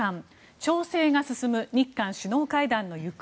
調整が進む日韓首脳会談の行方。